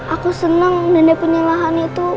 aku senang nenek punya lahan itu